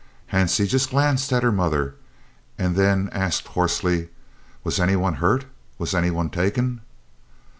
Hansie just glanced at her mother and then asked hoarsely, "Was any one hurt? Was any one taken?"